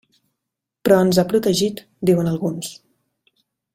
Però ens ha protegit, diuen alguns.